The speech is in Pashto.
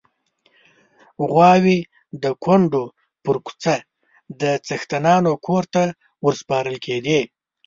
غواوې د کونډو پر کوڅه د څښتنانو کور ته ورسپارل کېدې.